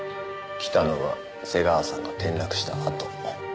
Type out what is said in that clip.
来たのは瀬川さんが転落したあと。